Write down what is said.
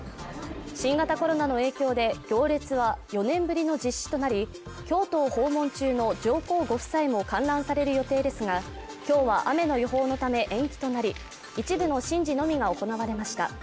新型コロナの影響で、行列は４年ぶりの実施となり、京都を訪問中の上皇ご夫妻も観覧される予定ですが、今日は雨の予報のため延期となり、一部の神事のみが行われました。